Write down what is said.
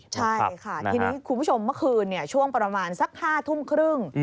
ใช่ค่ะทีนี้คุณผู้ชมเมื่อคืนช่วงประมาณสัก๕ทุ่มครึ่ง